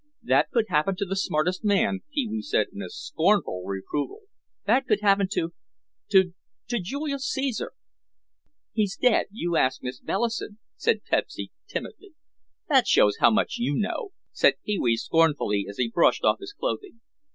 "That could happen to the smartest man," Pee wee said in scornful reproval; "that could happen to—to—to Julius Caesar." "He's dead, you ask Miss Bellison," said Pepsy timidly. "That shows how much you know," said Pee wee scornfully as he brushed off his clothing.